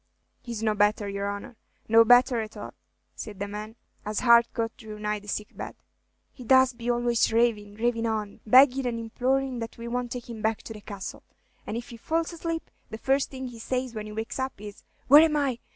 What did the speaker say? "He 's no better, your honor, no better at all," said the man, as Harcourt drew nigh the sick bed. "He does be always ravin', ravin' on, beggin' and implorin' that we won't take him back to the Castle; and if he falls asleep, the first thing he says when he wakes up is, 'Where am I?